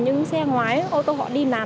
nhưng xe ngoái ô tô họ đi nản